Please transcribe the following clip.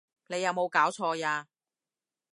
你有無攪錯呀！